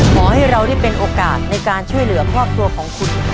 ขอให้เราได้เป็นโอกาสในการช่วยเหลือครอบครัวของคุณ